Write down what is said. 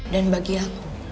dan bagi aku